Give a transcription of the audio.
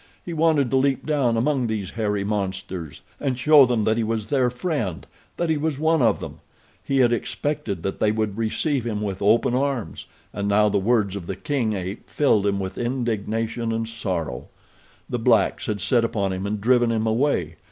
He wanted to leap down among these hairy monsters and show them that he was their friend, that he was one of them. He had expected that they would receive him with open arms, and now the words of the king ape filled him with indignation and sorrow. The blacks had set upon him and driven him away.